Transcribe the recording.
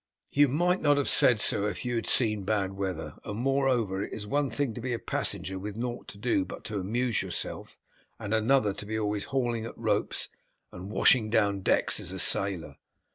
"You might not have said so if you had seen bad weather; and moreover, it is one thing to be a passenger with nought to do but to amuse yourself, and another to be always hauling at ropes and washing down decks as a sailor.